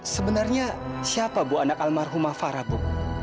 sebenarnya siapa bu anak almarhumah farah bu